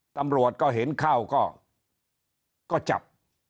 ตำรวจก็เห็นเข้าก็จับ